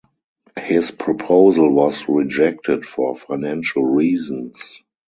His proposal was rejected for financial reasons.